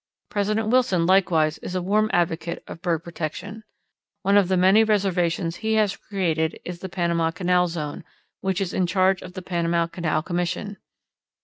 President Wilson likewise is a warm advocate of bird protection. One of many reservations he has created is the Panama Canal Zone, which is in charge of the Panama Canal Commission.